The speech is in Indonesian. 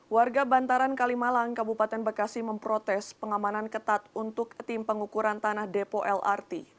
warga bantaran kalimalang kabupaten bekasi memprotes pengamanan ketat untuk tim pengukuran tanah depo lrt